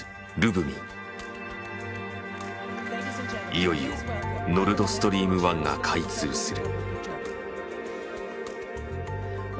いよいよノルドストリーム１が開通する。